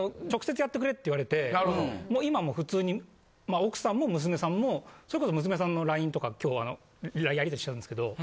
直接やってくれって言われて、今もう、普通に、奥さんも娘さんも、それこそ、娘さんのＬＩＮＥとか、きょう、やり取りしたんですけど。